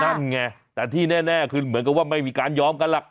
นั่นไงแต่ที่แน่คือเหมือนกับว่าไม่มีการยอมกันหรอก